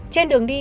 trên đường đi